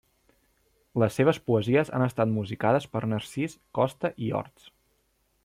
Les seves poesies han estat musicades per Narcís Costa i Horts.